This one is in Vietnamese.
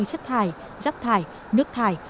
chất thải giáp thải nước thải